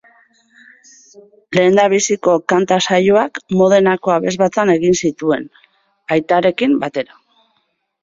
Lehendabiziko kanta-saioak Modenako abesbatzan egin zituen, aitarekin batera.